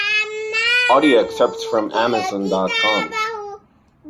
Audio excerpts from Amazon dot com.